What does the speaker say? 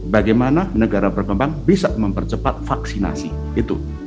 bagaimana negara berkembang bisa mempercepat vaksinasi itu